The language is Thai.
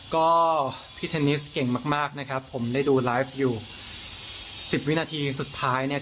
ก็พี่เทนนิสเก่งมากนะครับผมได้ดูไลฟ์อยู่สิบวินาทีสุดท้ายเนี่ย